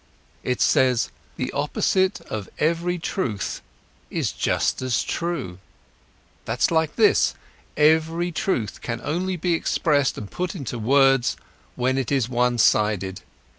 It says: The opposite of every truth is just as true! That's like this: any truth can only be expressed and put into words when it is one sided.